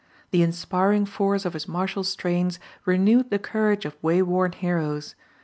The inspiring force of his martial strains renewed the courage of way worn heroes.